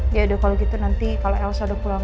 ya formed itu nanti kalau elsa udah pulang